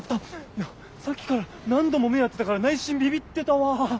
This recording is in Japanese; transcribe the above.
いやさっきから何度も目合ってたから内心ビビッてたわ。